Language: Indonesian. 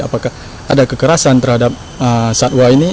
apakah ada kekerasan terhadap satwa ini